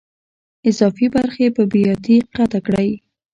اضافي برخې په بیاتي قطع کړئ.